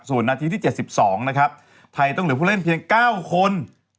ส่วนนาทีที่๗๒นะครับไทยต้องเหลือผู้เล่นเพียง๙คน